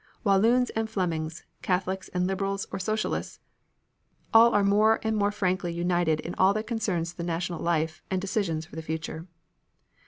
Walloons and Flemings, Catholics and Liberals or Socialists, all are more and more frankly united in all that concerns the national life and decisions for the future.